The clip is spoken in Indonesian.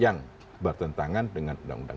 yang bertentangan dengan undang undang